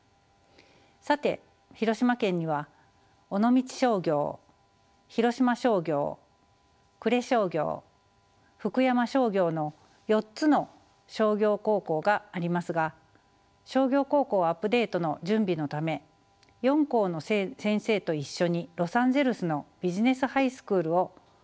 さて広島県には尾道商業広島商業呉商業福山商業の４つの商業高校がありますが商業高校アップデートの準備のため４校の先生と一緒にロサンゼルスのビジネスハイスクールを視察しました。